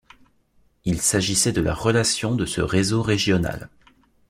Il s'agissait de la relation de ce réseau régional.